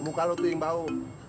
muka lu tuing bau